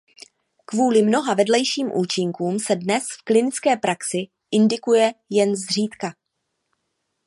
Kvůli mnoha vedlejším účinkům se dnes v klinické praxi indikuje jen zřídka.